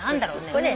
これね